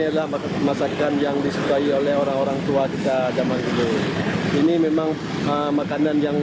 adalah masakan yang disukai oleh orang orang tua kita zaman dulu ini memang makanan yang